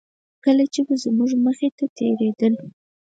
کله چې به زموږ مخې ته تېرېدل.